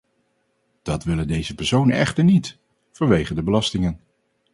Dat willen deze personen echter niet, vanwege de belastingen.